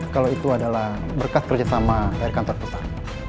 kalau itu adalah berkas kerjasama dari kantor pusat